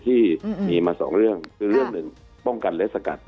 ที่มีมาสองเรื่องคือเรื่องหนึ่งป้องกันและสกัด